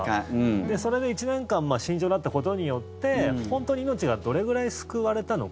それで１年間慎重だったことによって本当に命がどれぐらい救われたのか。